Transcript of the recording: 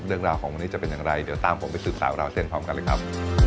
เรื่องราวของวันนี้จะเป็นอย่างไรเดี๋ยวตามผมไปสืบสาวราวเส้นพร้อมกันเลยครับ